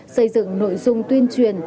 xây dựng nội dung tuyên truyền